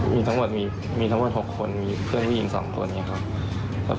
มีทั้งหมดมีทั้งหมด๖คนมีเพื่อนผู้หญิง๒คนอย่างนี้ครับ